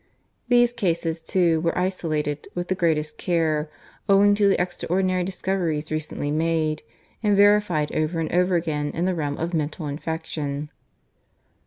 These cases too were isolated with the greatest care, owing to the extraordinary discoveries recently made, and verified over and over again in the realm of "mental infection."